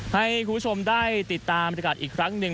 ให้คุณผู้ชมได้ติดตามบริการอีกครั้งหนึ่ง